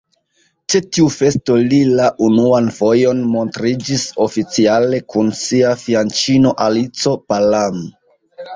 Ĉe tiu festo li la unuan fojon montriĝis oficiale kun sia fianĉino Alico Palam.